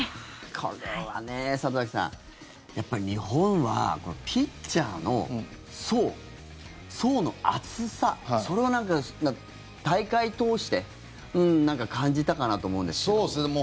これはね、里崎さん日本はピッチャーの層層の厚さ、それを大会通して感じたかなと思うんですけども。